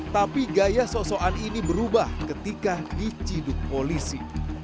tapi gaya sosokan ini berubah ketika diciduk polisi